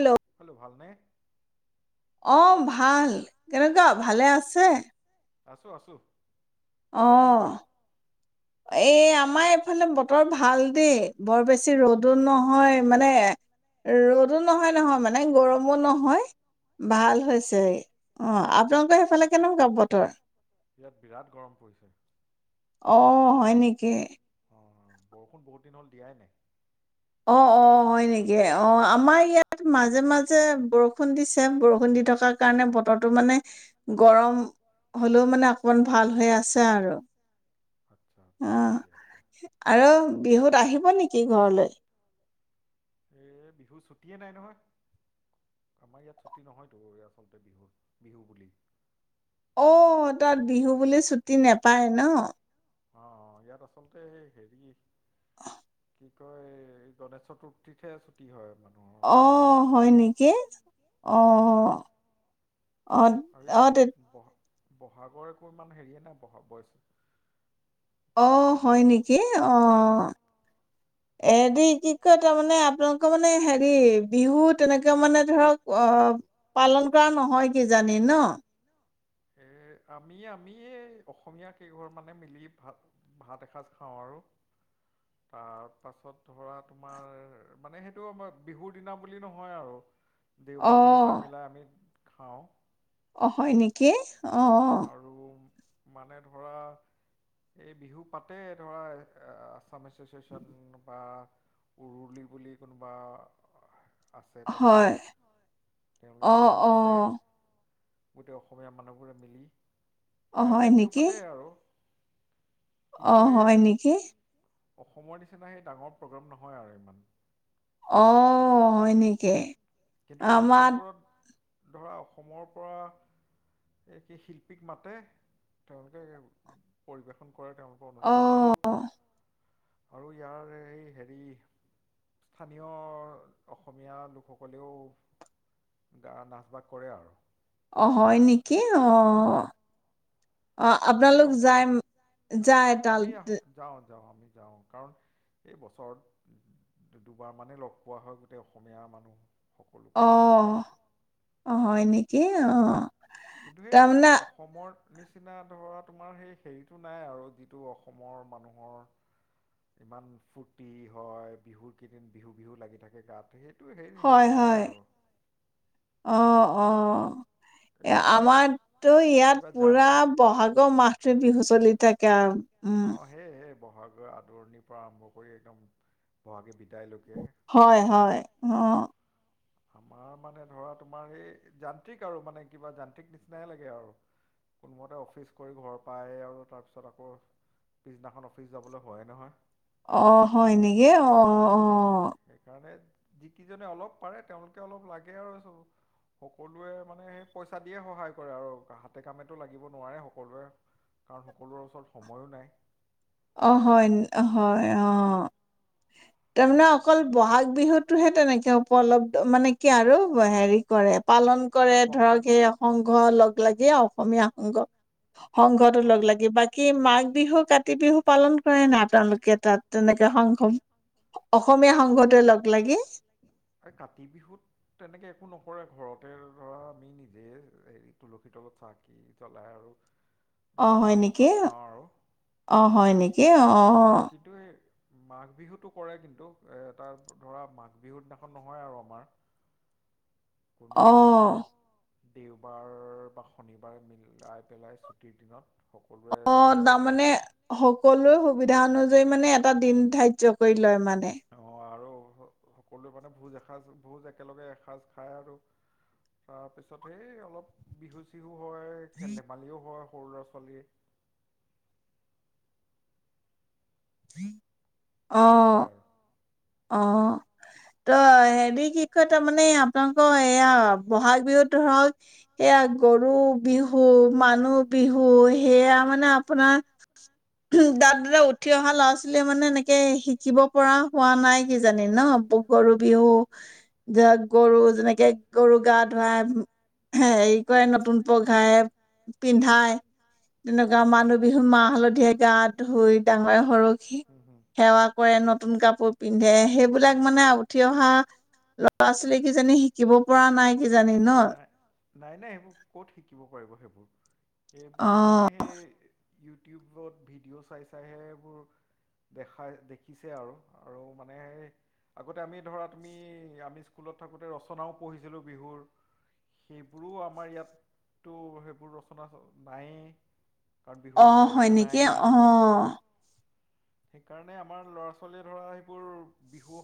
[unintelligible] ভাল নে? অ ভাল, কেনেকুৱা ভালে আছে? আছো- আছো। অ এই আমাৰ এইফালে বতৰ ভাল দেই, বৰ বেছি ৰ'দো নহয়, মানে ৰ'দো নহয়-নহয় মানে গৰমো নহয় ভাল হৈছে অ আপোনালোকৰ সেইফালে কেনেকুৱা বতৰ? ইয়াত, বিৰাট গৰম পৰিছে। অ হয় নেকি? অ' বৰষুণ বহুত দিন হ'ল দিয়াই নাই। অ-অ হয় নেকি অ আমাৰ ইয়াত মাজে-মাজে বৰষুণ দিছে। বৰষুণ দি থকাৰ কাৰণে বতৰটো মানে গৰম হ'লেও মানে অকমান ভাল হৈ আছে, আৰু অ আৰু বিহুত আহি হ'ব নেকি ঘৰলৈ? এই বিহু ছুটিয়ে নাই নহয়, আমাৰ ইয়াত ছুটি নহয়তো আচলতে বিহুৰ বিহু বুলি। অ তাত বিহু বুলি ছুটি নোপায় ন? অ ইয়াত আচলতে সেই হেৰি [inaudible] কি কয় এই গণেশ চতুৰ্থীতহে ছুটী হয় মানে। অ' হয় নেকি? আহ আৰু ইয়াত বহাগৰ একো ইমান হেৰিয়ে নাই বহাগ বয়ছ অ হয় নেকি অ এদি কি কয় তাৰমানে আপোনালোকৰ মানে হেৰি বিহু তেনেকে মানে ধৰক আহ পালন কৰা নহয় কিজানি ন? এৰ আমি আমি অসমীয়া কেইঘৰ মানে মিলি ভাত ভাত এসাঁজ খাওঁ আৰু তাৰ পাছত ধৰা তোমাৰ মানে সেইটো আমাৰ বিহুৰ দিনা বুলি নহয় আৰু। দেওবাৰ শনিবাৰ মিলাই আমি খাওঁ অ হয় নেকি? অ' অ' মানে ধৰা এই বিহু পাতে ধৰা এ আসাম এছচিয়েচন বা উৰুলি বুলি কোনোবা অ আছে তেনেকুৱা, তেওঁলোকে বিহু পাতে গোটেই অসমীয়া মানুহবোৰে মিলি ঠায়ে ঠায়ে বিহু পাতে আৰু। অ হয় নেকি? অসমৰ নিচিনা সেই ডাঙৰ প্ৰগ্ৰাম নহয় আৰু ইমান। অ হয় নেকি? কিন্তু ফাংচনবোৰত ধৰা অসমৰ পৰা এই কি শিল্পীক মাতে তেওঁলোকে পৰিৱেশন কৰে তেওঁলোকৰ অনুষ্ঠান আৰু আৰু ইয়াৰ এই হেৰি স্থানীয় অসমীয়া লোকসক সকলেও গা নাচ বাগ কৰে আৰু। অহ হয় নেকি অহ অ আপোনালোক যায় যায় তাল ত অ' যাওঁ আমি যাওঁ কাৰণ এই বছৰত দুবাৰ মানে লগ পোৱা হয় গোটেই অসমীয়া মানুহ অ অ হয় নেকি? অ' কিন্তু এই অস অসমৰ নিচিনা ধৰা তোমাৰ সেই হেৰিটো নাই আৰু যিটো অসমৰ মানুহৰ ইমান ফূৰ্তি হয়, বিহুৰ কেইদিন বিহু বিহু লাগি থাকে গাত। সেইয়ে হয়, হয়, অ' অ' এ আমাৰতো ইয়াত পুৰা বহাগৰ মাহটো বিহু চলি থাকে কাৰণ অ সেই হে বহাগৰ আদৰণিৰ পৰা আৰম্ভ কৰি একদম বহাগি বি হয়, হয়, অ'। আমাৰ মানে ধৰা তোমাৰ এই যান্ত্ৰিক আৰু মানে কিবা যান্ত্ৰিক নিচিনাই লাগে আৰু কোনোমতে অফিচ কৰি ঘৰ পায় আৰু তাৰ পিছত আকৌ পিছদিনাখন অফিচ যাবলৈ হয় নহয়। অ' হয় নেকি অ'। সেইকাৰণে যিকেইজনে অলপ পাৰে তেওঁলোকে অলপ লাগে আৰু সকলোৱে মানে পইচা দিয়ে সহায় কৰে আৰু হাতে কামেটো লাগিব নোৱাৰে সকলোৱে কাৰণ সকলোৰে ওচৰত সময়ো নাই। অ' হয়-হয় অ' তাৰমানে অকল বহাগ বিহুতোহে তেনেকে উপলব্ধ মানে, কি আৰু হেৰি কৰে। পালন কৰে ধৰক সেই অসংঘ লগ লাগি অস অসমীয়া সংঘ সংঘতো লগ লাগি বাকী মাঘ বিহু কাত কাতি বিহু পালন কৰে নে নাই আপোনালোকে তাত তেনেকে সংঘ অসমীয়া সংঘ কাতি বিহুত তেনেকে একো নকৰে ঘৰত তৰ ধৰা আমি নিজে হেৰি তুলসীৰ তলত চাকি জ্বলাই আৰু অ' হয় নেকি, অ' হয় নেকি অ'অ' মাঘ বিহুতো কৰে কিন্তু এ তাৰ ধৰা মাঘ বিহুৰ দিনাখন নহয় আৰু আমাৰ। অ। দেওঁবাৰ বা শনিবাৰ মিলাই পেলায় ছুটিৰ দিনত অ তাৰমানে সকলোৱে সুবিধা অনুযায়ী মানে এটা দিন ধাৰ্য কৰি লয় মানে দেহ সকলোৱে মানে ভোজ এসাজ ভোজ একেলগে এসাজ খায় আৰু তাৰপিছত সেই অলপ বিহু চিহ [unintelligible] খেল ধেমালিও হয় সৰু ল'ৰা ছোৱালী উ তেনেকুৱাই আৰু। অ' তো হেৰি কি কয় তাৰমানে আপোনালোকৰ এয়া বহাগ বিহুত ধৰক সেয়া গৰু বিহু, মানুহ বিহু সেয়া মানে আপোনাৰ দাত উঠি অহা ল'ৰা ছোৱালীয়ে মানে এনেকে শিকিব পৰা হোৱা নাই। কি জানে নহ গৰু বিহু ধ গৰু যেনেকে গৰু গা ধুৱাই হেৰি কৰে নতুন পঘাই পিন্ধাই তেনেকুৱা মানুহ বিহু মাহ হালধিৰে গা ধুৱাই, ধুই ডাঙৰ সৰুক সেৱা কৰে নতুন কাপোৰ পিন্ধে সেইবিলাক মানে উঠি অহা লৰা- ছোৱালী কিজানি শিকিব পৰা নাই কিজানি ন? নাই-নাই সেইবোৰ ক'ত শিকিব পাৰিব সেইবোৰ। সেইবোৰ মানে সেই ইউটিউবত ভিডিঅ'জ চাই-চাইহে এইবোৰ দেখাই-দেখিছে আৰু, আৰু মানে এ, আগতে আমি ধৰা তুমি আমি স্কুলত থাকোতে ৰচনাও পঢ়িছিলো বিহুৰ, সেইবোৰো আমাৰ ইয়াতো সেইবোৰ ৰচনা নাইেই। অ হয় নেকি অ সেইকাৰণে আমাৰ ল'ৰা ছোৱালীয়ে ধৰা সেইবোৰ বিহু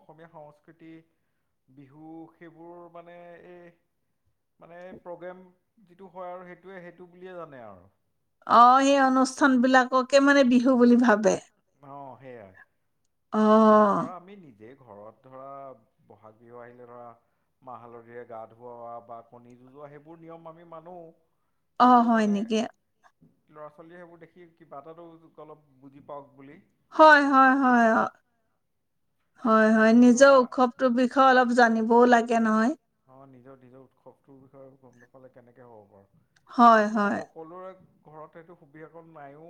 অসমীয়া সংস্কৃতি বিহু সেইবোৰ মানে এই মানে প্ৰগ্ৰেম যিটো হয় আৰু সেইটোৱে সেইটো বুলিয়ে জানে আৰু। অ এই অনুষ্ঠান বিলাককে মানে বিহু বুলি ভাবে? অ, সেইয়াই। আৰু ধৰা আমি নিজে- ঘৰত ধৰা ব'হাগ বিহু আহিলে ধৰা মাহ হালধীৰে গা ধোৱা বা কণী যুঁজোৱা সেইবোৰ নিয়ম আমি মানো। অ হয় নেকি? ল'ৰা ছোৱালীয়ে সেইবোৰ দেখি কিবা এটাটো অলপ বুজি পাওঁক। বুলি হয় হয় হয়। হয় হয় নিজৰ উৎসৱটোৰ বিষয়ে অলপ জানিবও লাগে। [unintelligible] অঁ নিজৰ নিজৰ উৎসৱটোৰ বিষয়ে গম নাপালে কেনেকৈ হব বাৰু। কিন্তু ধৰা সকলোৰে ঘৰত সেইটো সুবিধাটো নাইও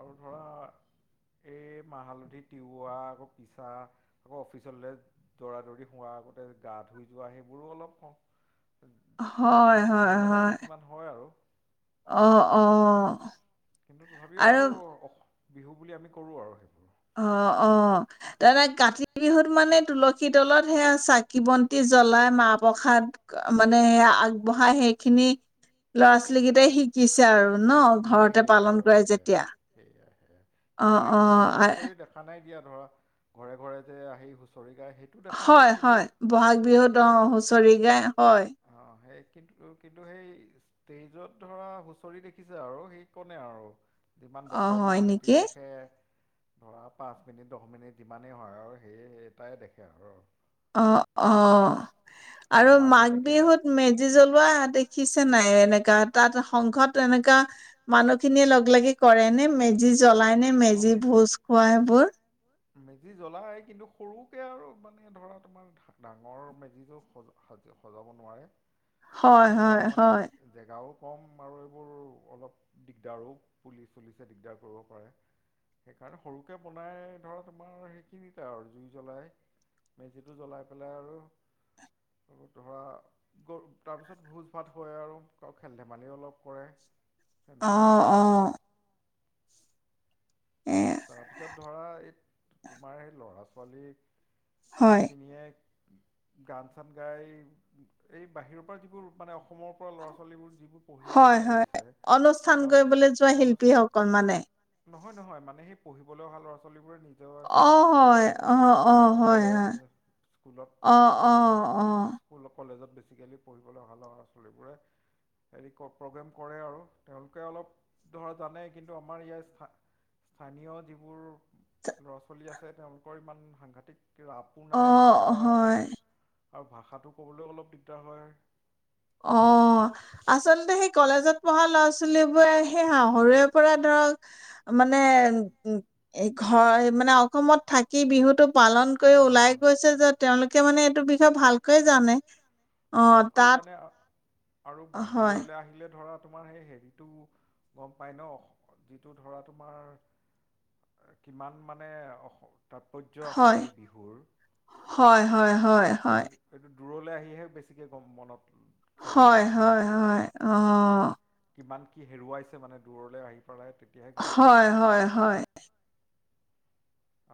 আৰু ধৰা এই মাহ হালধি তিওৱা আকৌ পিছা আকৌ অফিচলৈ দৌৰা দৌৰি হোৱাৰ আগতে গা ধুই যোৱা সেইবোৰো অলপ কম হয় হয় হয়। অ অ কিন্তু তথাপিও আৰু অ বিহু বুলি আমি কৰো আৰু সেইবোৰ। অ অ তাৰে কাতি বিহুত মানে তুলসী তলত সেয়া চাকি বন্তি জ্বলাই মাহ প্ৰসাদ মানে, সেয়া আগবঢ়াই সেইখিনি ল'ৰা ছোৱালী কেইটাই শিকিছে আৰু। ন ঘৰতে পালন কৰাই যেতিয়া। কিন্তু এই হুঁচৰি-চুঁচৰি দেখা নাই। দিয়া ধৰা ঘৰে ঘৰে যে আহি হুঁচৰি হয় হয় বহাগ বিহুত অ হুঁচৰি গায় হয়। কিন্ত কিন্তু সেই ষ্টেজত ধৰা হুঁচৰি দেখি দেখিছে আৰু সেই কনে আৰু। যিমান বছৰ মূৰত এদিন দেখে। ধৰা পাঁচ মিনিট দহ মিনিট যিমানেই হয় আৰু সেই এটাই দেখে আৰু। অ, অ। আৰু মাঘ বিহুত মেজি জ্বলোৱা দেখিছে নাই এনেক তাত সংসত [unintelligible] এনেকুৱকা মানুহ খিনিয়ে লগলাগি কৰে নে মেজি জ্বলাই নে মেজি ভোজ খোৱাবোৰ। মেজি জ্বলাই কিন্তু সৰুকে আৰু মানে ধৰা তোমাৰ ডাঙৰ মেজি সজাব নোৱাৰে। সাজিব নোৱাৰে মানে জেগাও কম আৰু এইবোৰ অলপ দিগদাৰো পুলিচ চুলিচে দিগদাৰ কৰিব পাৰে। সেইকাৰণে সৰুকে বনাই ধৰা তোমাৰ সেইখিনিতে আৰু জুই জ্বলাই, মেজিটো জ্বলাই পেলাই আৰু ধৰা তাৰপিছত ভোজ ভাত হয় আৰু খেল ধেমালি অলপ কৰে। অ' অ' [unintelligible] তাৰপিছত ধৰা এই তোমাৰ সেই ল'ৰা ছোৱালীক, খিনিয়ে [unintelligible] গান চান গাই এই বাহিৰৰ পৰা যিবোৰ মানে অসমৰ পৰা ল'ৰা ছোৱালীবোৰ যিবোৰ পঢ়িবলৈ আহিছে, তেওঁ নহয় নহয় মানে সেই পঢ়িবলৈ ল'ৰা ছোৱালী নিজৰ কলেজ স্কুলত পঢ়িবলৈ অহা ল'ৰা ছোৱালী কলেজত, বেছিকেলি পঢ়িবলৈ অহা ল'ৰা ছোৱালীবোৰে প্ৰগ্ৰেম কৰে আৰু তেওঁলোকে অলপ ধৰা জানে কিন্তু আমাৰ ইয়াৰ, স্থানীয় যিবোৰ ল'ৰা ছোৱালী আছে তেওঁলোকৰ ইমান সাংঘাটিক আপোনাই ধৰা আৰু ভাষাটো ক'বলৈ অলপ দিগদাৰ হয়। অ', আচলতে সেই কলেজত পঢ়া ল'ৰা ছোৱালীবোৰে সেই [unintelligible] সৰুৰে পৰা ধৰক মানে ঘৰ মানে অসমত থাকি বিহুতো পালন কৰি ওলাই গৈছে যে, তেওঁলোকে মানে এইটো বিশ ভালকৈ জানে। ভালকৈ জানে আ আৰু বাহিৰলৈ আহিলে ধৰা তোমাৰ সেই হেৰিতো গম পাই ন, যিটো ধৰা তোমাৰ কিমান মানে অস তাৎপৰ্য আছে, এই বিহুৰ এইটো এইটো। দূৰলৈ আহিহে বেছি [unintelligible] মনত হয়, হয়, হয়, অ'। কিমান কি হেৰুৱাইছে মানে দূৰলৈ আহি [unintelligible] তেতিয়াহে গম পোৱা যায়।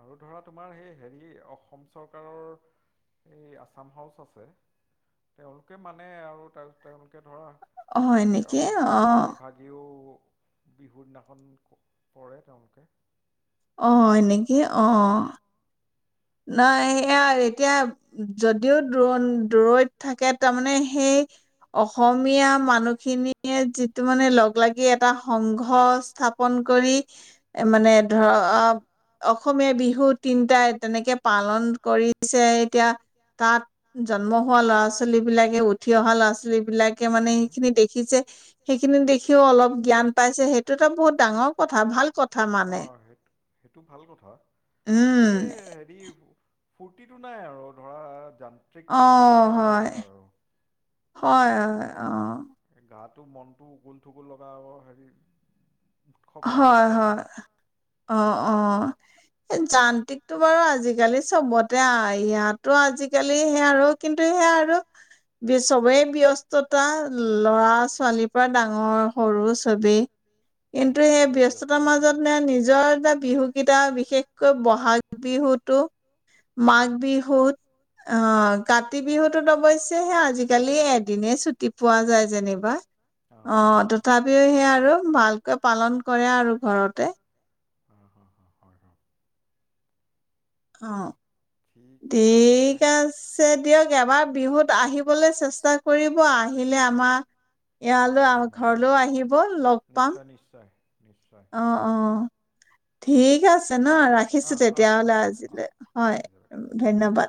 আৰু ধৰা তোমাৰ সেই হেৰি অসম চৰকাৰৰ এই আছাম হাউচ আছে, তেওঁলোকে মানে আৰু টা তেওঁলোকে ধৰা এই সকাম এভাগিও বিহুৰ দিনাখন পৰে তেওঁলোকে আহ এনেকি অ নাই সেয়া এতিয়া যদিও দৰ দূৰৈত থাকে তাৰমানে সেই অসমীয়া মানুহখিনিয়ে যিটো মানে লগ লাগি এটা সংঘ স্থাপন কৰি মানে ধৰ অসমীয়া বিহু তিনিটা তেনেকে পালন কৰিছে এতিয়া তাত য জন্ম হোৱা ল'ৰা ছোৱালী বিলাকে উঠি অহা ল'ৰা ছোৱালী বিলাকে মানে সেইখিনি দেখিছে সেইখিনি দেখিও অলপ জ্ঞান পাইছে সেইটোতো বহুত ডাঙৰ কথা ভাল কথা মানে, উম ফূৰ্তিটো নাই আৰু ধৰা যান্ত্ৰিক অ' হয় হয় হয় অ' গাটো মনটো উকুল ঠুগুল লগা আৰু হেৰি হয় হয় অ অ এ যান্ত্ৰিকতটো বাৰু আজিকালি চবতে অ ইয়াতো আজিকালি সেয়া আৰু কিন্তু সেয়া আৰু সবেই ব্যস্ততা ল'ৰা ছোৱালীৰ পৰা ডাঙৰ সৰু চবেই। কিন্তু সেই ব্যস্ততাৰ মাজত নে নিজৰ এটা বিহুকেইটা বিশেষকৈ বহাগ বিহুতো মাঘ বিহুত আহ কাতি বিহুত টোত অৱশ্যে সেই চুটি পোৱা যায় যেনিবা তথাপিও সেই আৰু পালন কৰে আৰু ঘৰতে হ হ হয় হয় অ ঠিক আছে দিয়ক। এবাৰ বিহুত আহিবলৈ চেষ্টা কৰিব আহিলে আমাৰ ইয়ালৈ ঘৰলৈও আহিব লগ পাম। অ অ ঠিক আছে ন ৰাখিছোঁ তেতিয়াহলে আজিলৈ হয় ধন্যবাদ।